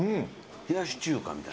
冷やし中華みたいな。